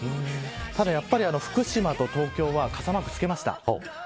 ただ福島と東京は傘マーク付けました。